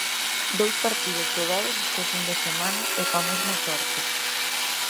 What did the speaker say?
Dous partidos xogados este fin de semana e coa mesma sorte.